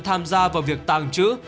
tham gia vào việc tàng trữ